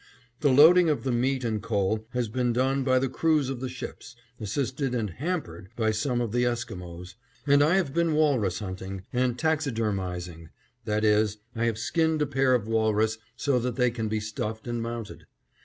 The loading of the meat and coal has been done by the crews of the ships, assisted and hampered by some of the Esquimos, and I have been walrus hunting, and taxidermizing; that is, I have skinned a pair of walrus so that they can be stuffed and mounted.